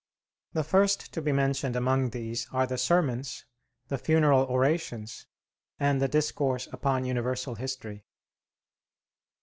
The first to be mentioned among these are the 'Sermons,' the 'Funeral Orations,' and the 'Discourse upon Universal History.'